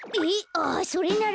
あっそれなら。